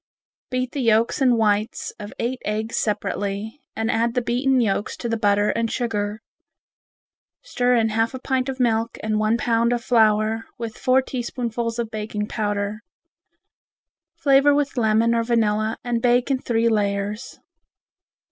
Beat the yolks and whites of eight eggs separately, and add the beaten yolks to the butter and sugar. Stir in half a pint of milk and one pound of flour with four teaspoonfuls of baking powder. Flavor with lemon or vanilla and bake in three layers.